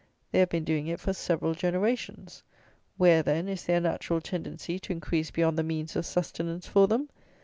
They have been doing it for several generations. Where, then, is their natural tendency to increase beyond the means of sustenance for them?